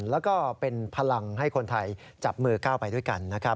แล้วก็เป็นพลังให้คนไทยจับมือก้าวไปด้วยกันนะครับ